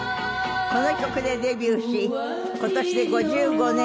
この曲でデビューし今年で５５年。